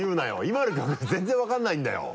今の曲全然分からないんだよ。